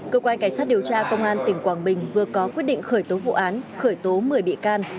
cơ quan cảnh sát điều tra công an tỉnh quảng bình vừa có quyết định khởi tố vụ án khởi tố một mươi bị can